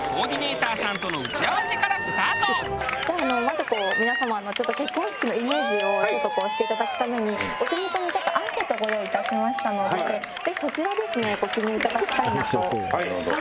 まずこう皆様の結婚式のイメージをちょっとこうしていただくためにお手元にちょっとアンケートをご用意いたしましたのでぜひそちらですねご記入いただきたいなと。